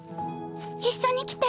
一緒に来て。